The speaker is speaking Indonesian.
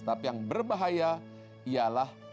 tapi yang berbahaya ialah